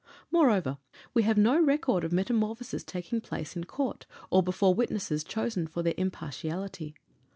Moreover, we have no record of metamorphosis taking place in court, or before witnesses chosen for their impartiality.